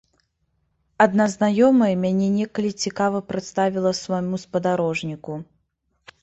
Адна знаёмая мяне некалі цікава прадставіла свайму спадарожніку.